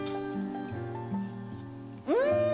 うん！